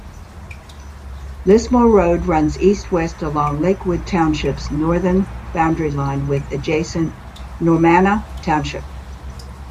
Lismore Road runs east-west along Lakewood Township's northern boundary line with adjacent Normanna Township.